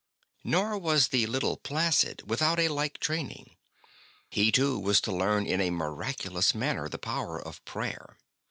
Nor was the little Placid without a like training; he, too, was to learn in a miraculous manner the power of prayer.